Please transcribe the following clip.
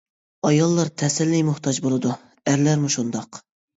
ئاياللار تەسەللى موھتاج بولىدۇ، ئەرلەرمۇ شۇنداق.